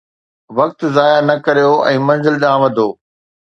وقت ضايع نه ڪريو ۽ منزل ڏانهن وڌو.